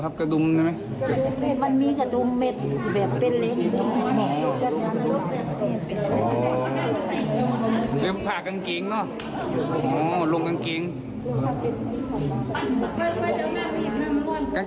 ตอนนั้นแฟนเราได้สติบหรือครับ